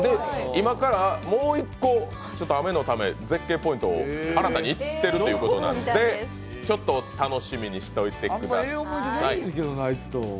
今からもう１個、雨のため絶景ポイントに新たに行ってるということなので、ちょっと楽しみにしておいてください。